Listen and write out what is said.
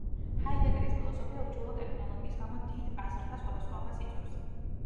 ჰაიდეგერის ფილოსოფია უჩვეულო ტერმინოლოგიის გამო დიდ აზრთა სხვადასხვაობას იწვევს.